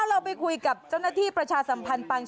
เราไปคุยกับเจ้าหน้าที่ประชาสัมพันธ์ปางช้างแม่แปลง